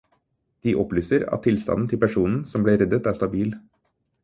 De opplyser at tilstanden til personen som ble reddet, er stabil.